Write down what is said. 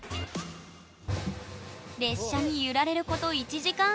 列車に揺られること１時間半。